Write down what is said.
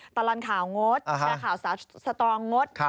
ตลอดข่าวงดแชร์ข่าวสาวสตรองงด